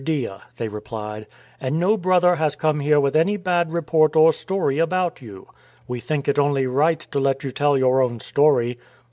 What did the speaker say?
« MIGHTIER THAN THE SWORD " 849 they replied, " and no brother has come here with any bad report or story about you. We think it only right to let you tell your own story.